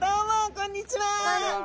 こんにちは！